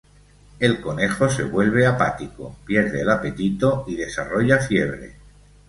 El conejo se vuelve apático, pierde el apetito y desarrolla fiebre.